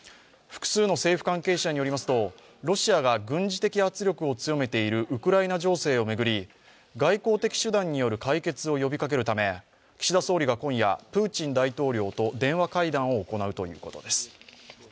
複数の政府関係者によります都、ロシアが軍事的圧力を強めているウクライナ情勢を巡り、外交的手段による解決を呼びかけるため岸田総理が今夜、プーチン大統領と電話会談を行うということです。